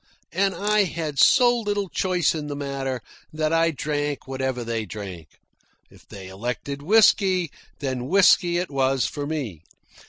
And I had so little choice in the matter that I drank whatever they drank. If they elected whisky, then whisky it was for me.